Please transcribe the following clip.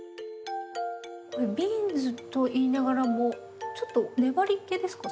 ビーンズといいながらもちょっと粘りけですか？